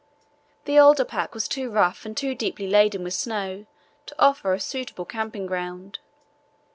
The older pack was too rough and too deeply laden with snow to offer a suitable camping ground.